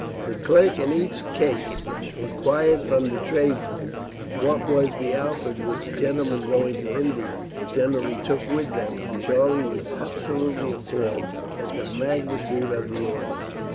The clerk, in each case, inquired from the tradesmen what was the outfit which gentlemen going to India generally took with them, and Charlie was absolutely appalled at the magnitude of the orders.